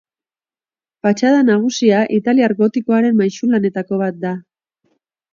Fatxada nagusia italiar gotikoaren maisulanetako bat da.